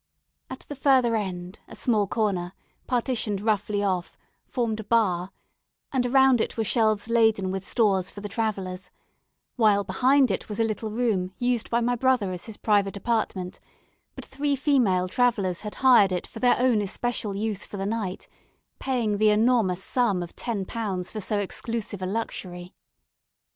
At the further end, a small corner, partitioned roughly off, formed a bar, and around it were shelves laden with stores for the travellers, while behind it was a little room used by my brother as his private apartment; but three female travellers had hired it for their own especial use for the night, paying the enormous sum of £10 for so exclusive a luxury.